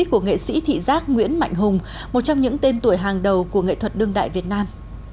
của nghệ sĩ thị giác nguyễn mạnh hùng một trong những tên tuổi hàng đầu của nghệ thuật đương đại việt nam